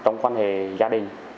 trong quan hệ gia đình